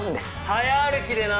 早歩きでな。